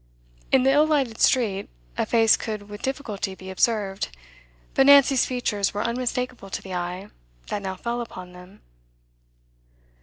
In the ill lighted street a face could with difficulty be observed, but Nancy's features were unmistakable to the eye that now fell upon them.